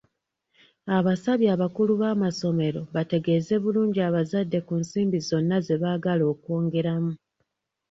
Abasabye abakulu b'amasomero bategeeze bulungi abazadde ku nsimbi zonna ze baagala okwongeramu.